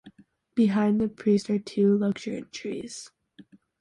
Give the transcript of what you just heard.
Behind the priest are two luxuriant trees.